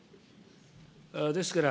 ですから